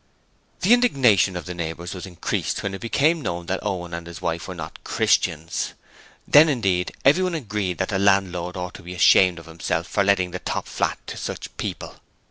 The indignation of the neighbours was increased when it became known that Owen and his wife were not Christians: then indeed everyone agreed that the landlord ought to be ashamed of himself for letting the top flat to such people.